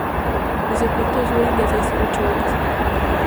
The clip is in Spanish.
Sus efectos duran de seis a ocho horas.